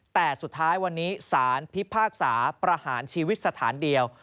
แต่สุดท้ายวันนี้สารพิพากษาประหารชีวิตสถานเดียว